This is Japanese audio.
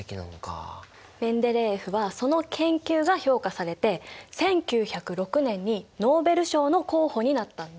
メンデレーエフはその研究が評価されて１９０６年にノーベル賞の候補になったんだ。